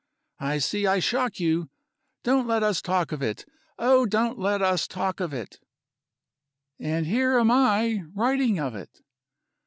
I see I shock you. Don't let us talk of it! Oh, don't let us talk of it!" And here am I writing of it!